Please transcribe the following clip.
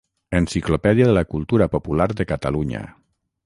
Enciclopèdia de la cultura popular de Catalunya.